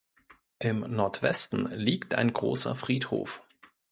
Im Nordwesten liegt ein großer Friedhof.